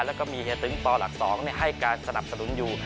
แล้วก็มีเฮียตึงปหลัก๒ให้การสนับสนุนอยู่